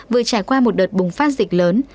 vừa trải qua một đợt bùng phát dịch lớn